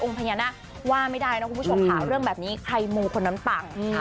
คนนั้นต่างใช่นะคะ